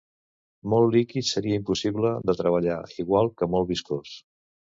Molt líquid seria impossible de treballar igual que molt viscós.